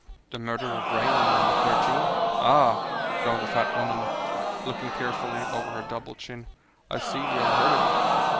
"The murder of Vrain in No. 13?" "Ah!" groaned the fat woman, looking tearfully over her double chin, "I see you have heard of it."